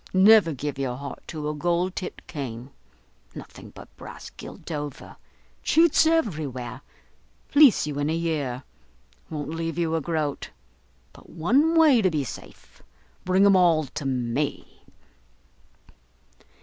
Never give your heart to a gold topped cane, nothing but brass gilt over. Cheats everywhere: fleece you in a year; won't leave you a groat. But one way to be safe, bring 'em all to me."